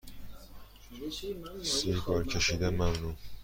سیگار کشیدن ممنوع